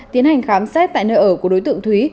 tiến hành khám xét tại nơi ở của đối tượng thúy